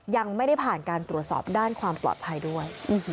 ยังไม่ได้ผ่านการตรวจสอบด้านความปลอดภัยด้วย